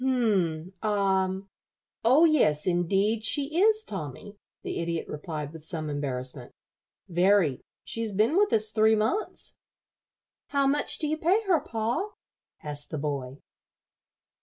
"H'm ah oh yes, indeed, she is, Tommy," the Idiot replied, with some embarrassment. "Very; she's been with us three months." "How much do you pay her, pa?" asked the boy.